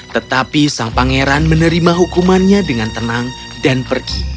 tetapi sang pangeran menerima hukumannya dengan tenang dan pergi